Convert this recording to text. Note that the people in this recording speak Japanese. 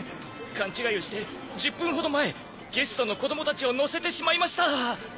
勘違いをして１０分程前ゲストの子供たちを乗せてしまいました。